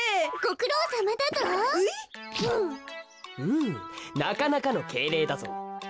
うんなかなかのけいれいだぞ。